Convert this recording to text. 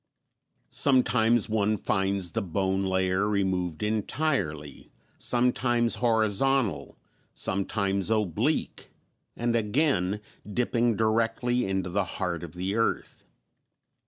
Sometimes one finds the bone layer removed entirely, sometimes horizontal, sometimes oblique, and again dipping directly into the heart of the earth.